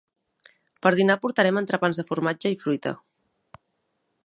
Per dinar portarem entrepans de formatge i fruita.